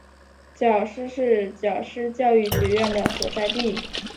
皎施是皎施教育学院的所在地。